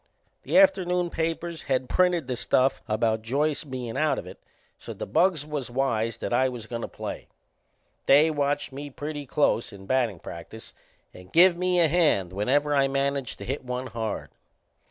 The afternoon papers had printed the stuff about Joyce bein' out of it, so the bugs was wise that I was goin' to play. They watched me pretty close in battin' practice and give me a hand whenever I managed to hit one hard.